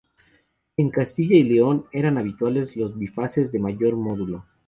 En Castilla y león eran habituales los bifaces de mayor módulo.